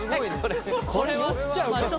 これは。